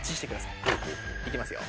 いきますよ。